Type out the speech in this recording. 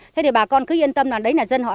thế thì bà con cứ yên tâm nào đấy là dân họ